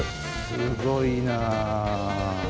すごいなあ。